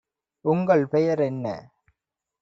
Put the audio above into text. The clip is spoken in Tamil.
உங்கள் பெயர் என்ன?